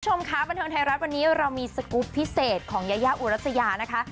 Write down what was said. คุณผู้ชมค่ะบันเทิงไทยรัฐวันนี้เรามีสกรูปพิเศษของยายาอุรัสยานะคะ